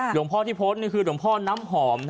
หลวงพ่อที่โพสต์นี่คือหลวงพ่อน้ำหอม